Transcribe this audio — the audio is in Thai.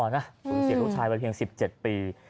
สูญเสียลูกชายวัยเพียง๑๗ปี